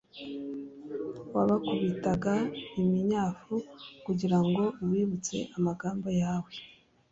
Wabakubitaga iminyafu kugira ngo ubibutse amagambo yawe,